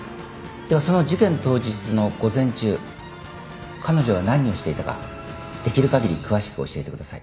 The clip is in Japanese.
ではその事件当日の午前中彼女は何をしていたかできるかぎり詳しく教えてください。